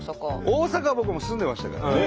大阪は僕も住んでましたから昔ね。